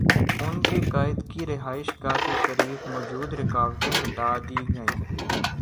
ان کے قائد کی رہائش گاہ کے قریب موجود رکاوٹیں ہٹا دی گئیں۔